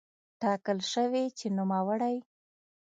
ټاکل شوې چې نوموړی